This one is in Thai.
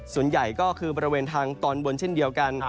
ส่วนใหญ่ก็คือบริเวณทางตอนบนเช่นเดียวกัน